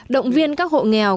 động viên các hộ nghèo